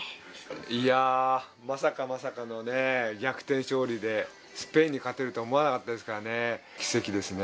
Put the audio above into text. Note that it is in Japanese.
いや、まさか、まさかの逆転勝利でスペインに勝てるとは思わなかったですからね、奇跡ですね。